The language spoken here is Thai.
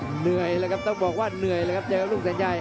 เหนื่อยแล้วครับต้องบอกว่าเหนื่อยเลยครับเจอลูกสัญญา